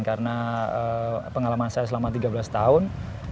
karena pengalaman saya selama tiga belas tahun